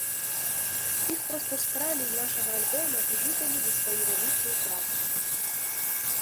Іх проста скралі з нашага альбома і выдалі за сваю вялікую працу.